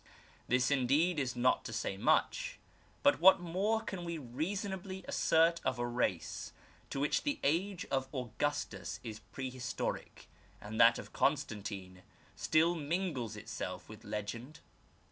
This, indeed, is not to say much; but what more can we reasonably assert of a race to which the age of Augustus is prehistoric, and that of Constantino still mingles itself with legend